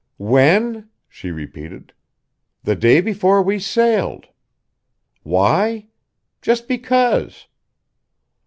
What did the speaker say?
"When?" she repeated. "The day before we sailed. Why? Just because.